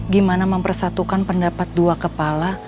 gimana mempersatukan pendapat dua kepala